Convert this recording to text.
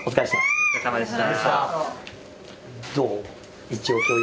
お疲れさまでした。